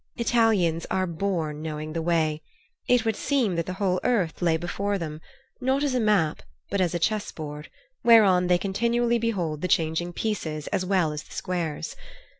Italians are born knowing the way. It would seem that the whole earth lay before them, not as a map, but as a chess board, whereon they continually behold the changing pieces as well as the squares.